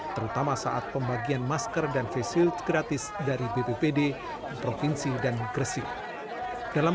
terutama saat pembagian masker dan face shield gratis dari bppd provinsi dan gresik dalam